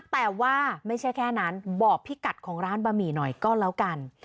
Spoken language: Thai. แต่ว่าไม่ใช่แค่นั้นบอกพี่กัดของร้านบะหมี่หน่อยก็แล้วกัน